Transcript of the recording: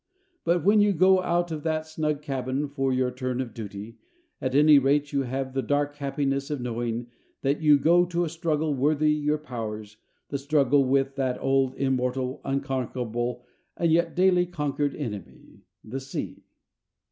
But, when you go out of that snug cabin for your turn of duty, at any rate you have the dark happiness of knowing that you go to a struggle worthy your powers, the struggle with that old, immortal, unconquerable, and yet daily conquered enemy, the Sea.